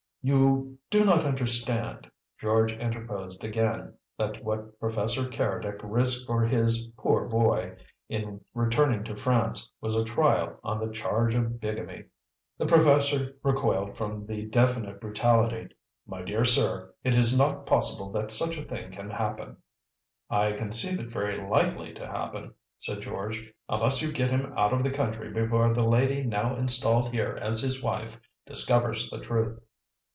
"You do not understand," George interposed again, "that what Professor Keredec risked for his 'poor boy,' in returning to France, was a trial on the charge of bigamy!" The professor recoiled from the definite brutality. "My dear sir! It is not possible that such a thing can happen." "I conceive it very likely to happen," said George, "unless you get him out of the country before the lady now installed here as his wife discovers the truth."